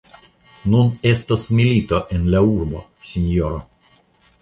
Nun estos milito en la urbo, sinjoro!